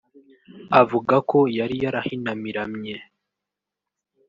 Avuga ko yari yarahinamiramye